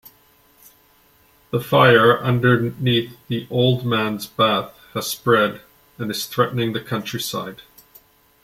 The fire underneath the Old Man's bath has spread and is threatening the countryside.